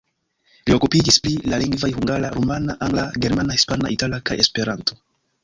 Li okupiĝis pri la lingvoj hungara, rumana, angla, germana, hispana, itala kaj Esperanto.